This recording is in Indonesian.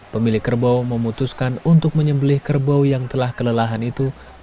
pemilik kerbau memutuskan untuk menyembelih kerbau yang telah kelelahan itu